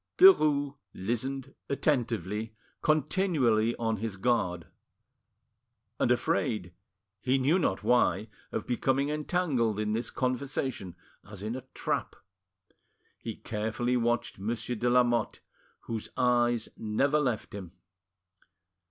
Derues listened attentively, continually on his guard; and afraid, he knew not why, of becoming entangled in this conversation, as in a trap. He carefully watched Monsieur de Lamotte, whose eyes never left him.